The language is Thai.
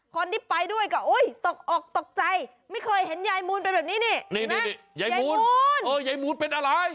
คนที่ไปด้วยก็ตกอกตกใจไม่เคยเห็นยายมูลเป็นแบบนี้นี่ยายมูลยายมูลเป็นอะไร